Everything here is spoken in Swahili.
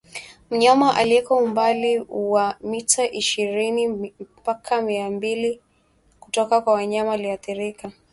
Mnyama aliyeko umbali wa mita ishirini mpaka mia mbili kutoka kwa mnyama aliyeathirika